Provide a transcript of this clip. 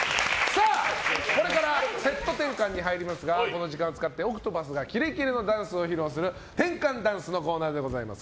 これからセット転換に入りますがこの時間を使ってＯＣＴＰＡＴＨがキレキレのダンスを披露する転換ダンスのコーナーです。